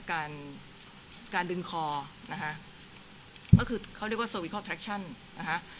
การการดึงคอนะคะก็คือเขาเรียกว่านะคะ